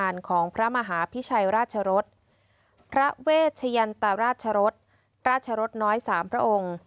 ของพระมหาพิชัยราชรสพระเวชยันตราชรสราชรสน้อยสามพระองค์